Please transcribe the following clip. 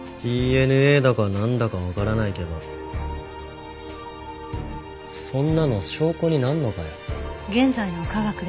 ＤＮＡだかなんだかわからないけどそんなの証拠になるのかよ。